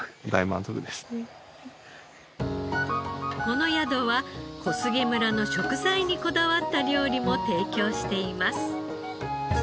この宿は小菅村の食材にこだわった料理も提供しています。